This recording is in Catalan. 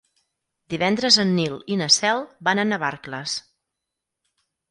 Divendres en Nil i na Cel van a Navarcles.